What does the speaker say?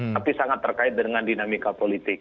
tapi sangat terkait dengan dinamika politik